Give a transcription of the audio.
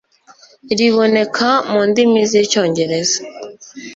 riboneka mu ndimi z icyongereza